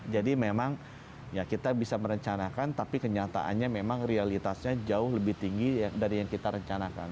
jadi memang ya kita bisa merencanakan tapi kenyataannya memang realitasnya jauh lebih tinggi dari yang kita rencanakan